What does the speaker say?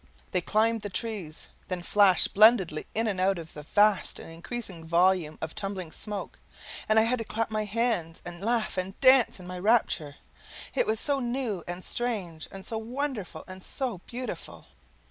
They climbed the trees, then flashed splendidly in and out of the vast and increasing volume of tumbling smoke, and I had to clap my hands and laugh and dance in my rapture, it was so new and strange and so wonderful and so beautiful!